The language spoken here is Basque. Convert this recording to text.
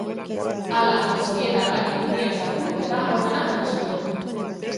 Hala, sobietarrak hirian sartu eta ordena jarri zuten.